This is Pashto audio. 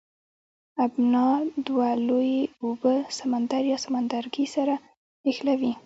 ابنا دوه لویې اوبه سمندر یا سمندرګی سره نښلوي.